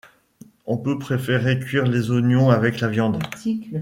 On peut préférer cuire les oignons avec la viande.